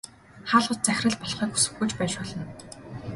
Хаалгач захирал болохыг хүсэхгүй ч байж болно.